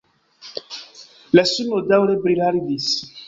La suno daŭre briladis.